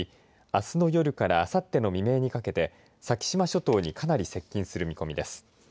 あすの夜からあさっての未明にかけて先島諸島にかなり接近する見込みです。